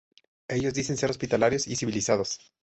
Ellos dicen ser hospitalarios y civilizados.